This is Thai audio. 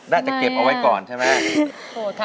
แม่น่าจะเก็บเอาไว้ก่อนใช่ไหม